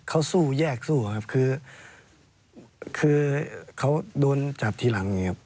ลูกคุณพ่อเนี่ย